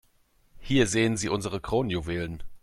Hier sehen Sie unsere Kronjuwelen.